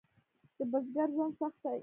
د بزګر ژوند سخت دی؟